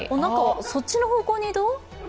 そっちの方向に移動？